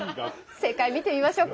正解見てみましょうか。